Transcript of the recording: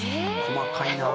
細かいな。